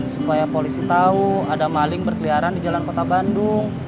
supaya polisi tahu ada maling berkeliaran di jalan kota bandung